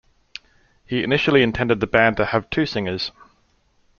He initially intended the band to have two singers.